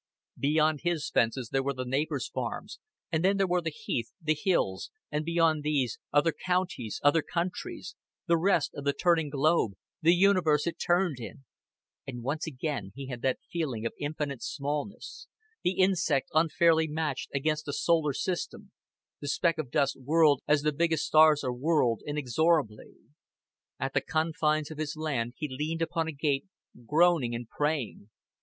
Beyond his fences there were the neighbors' farms, and then there were the heath, the hills; and beyond these, other counties, other countries, the rest of the turning globe, the universe it turned in and once again he had that feeling of infinite smallness, the insect unfairly matched against a solar system, the speck of dust whirled as the biggest stars are whirled, inexorably. At the confines of his land he leaned upon a gate, groaning and praying.